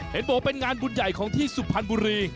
เห็นโบนเป็นงานบุญใหญ่ของที่สุพันภูรี